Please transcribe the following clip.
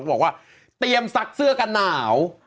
บอกว่าเตรียมซักเสื้อกันหนาว